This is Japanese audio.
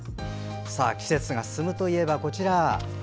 季節が進むといえば、こちら。